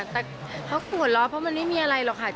แต่เขาขวดล้อเพราะมันไม่มีอะไรหรอกค่ะ